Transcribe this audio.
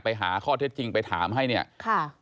ไปหาข้อเท็จจริงไปถามให้เนี่ยค่ะ